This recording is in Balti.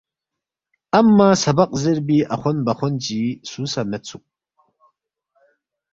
امّہ سبق زیربی اخوند بخوند چی سُو سہ میدسُوک